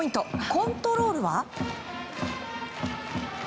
コントロールは？